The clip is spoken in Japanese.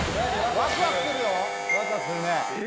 ワクワクするね。